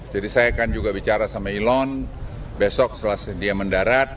jadi saya akan juga bicara sama elon besok setelah dia mendarat